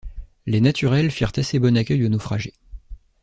Les naturels firent assez bon accueil aux naufragés.